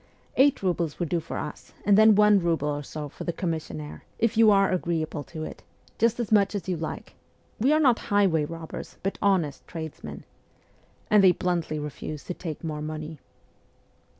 ... Eight roubles will do for us, and then one rouble or so for the commissionnaire, if you are agreeable to it just as much as you like. We are not highway robbers, but honest tradesmen.' And they bluntly refused to take more money.